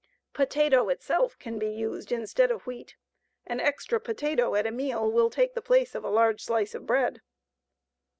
Potato itself can be used instead of wheat. An extra potato at a meal will take the place of a large slice of bread.